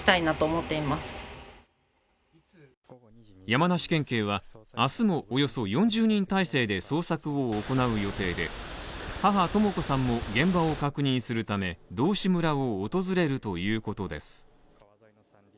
山梨県警は、明日もおよそ４０人態勢で捜索を行う予定で母・とも子さんも現場を確認するため道志村を訪れるということです。